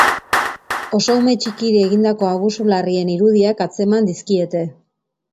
Oso ume txikiri egindako abusu larrien irudiak atzeman dizkiete.